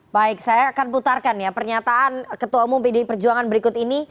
baik saya akan putarkan ya pernyataan ketua umum pdi perjuangan berikut ini